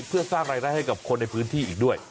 เพื่อสร้างรายได้ให้กับคนในพื้นที่อีกด้วย